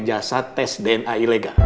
jasa tes dna ilegal